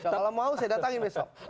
kalau mau saya datangin besok